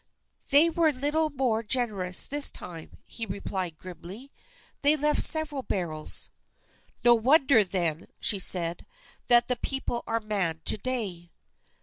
"They were a little more generous this time," he replied grimly. "They left several barrels." "No wonder then," she said, "that the people are mad to day."